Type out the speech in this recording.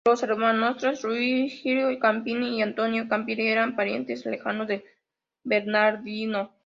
Los hermanastros Giulio Campi y Antonio Campi, eran parientes lejanos de Bernardino.